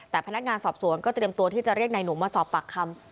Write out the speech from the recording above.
แต่พนักงานสอบสวนก็เตรียมตัวที่จะเรียกนายหนูมาสอบปากคำ